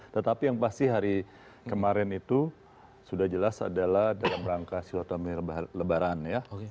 tetapi yang pasti hari kemarin itu sudah jelas adalah dalam rangka silaturahmir lebaran ya